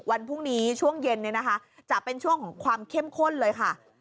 วันพรุ่งนี้ช่วงเย็นเนี่ยนะคะจะเป็นช่วงของความเข้มข้นเลยค่ะ